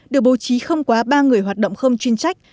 được bố trí không quá ba người hoạt động không chuyên trách